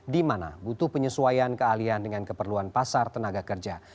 di mana butuh penyesuaian kealian dengan keperluan pasar tenaga kerja